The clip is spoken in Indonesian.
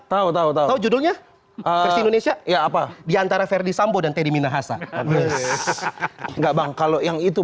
tahu tahu judulnya versi indonesia ya apa diantara verdi sambo dan teddy minahasa enggak bang kalau yang itu